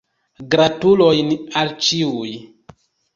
Gratulojn al ĉiuj.